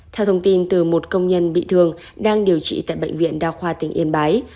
theo thông tin từ một công nhân bị thương đang điều trị tại bệnh viện đa khoa tỉnh yên bái